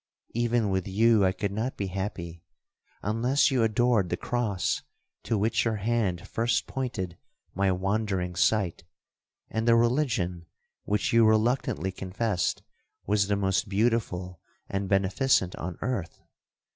Even with you I could not be happy, unless you adored the cross to which your hand first pointed my wandering sight, and the religion which you reluctantly confessed was the most beautiful and beneficent on earth.'